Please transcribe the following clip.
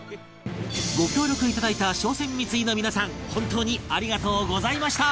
ご協力いただいた商船三井の皆さん本当にありがとうございました